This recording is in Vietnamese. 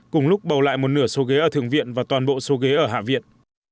cùng lúc bầu lại một nửa số ghế ở thượng viện và toàn bộ số ghế ở hạ viện